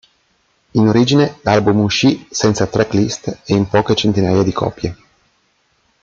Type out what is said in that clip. In origine l'album uscì senza tracklist e in poche centinaia di copie.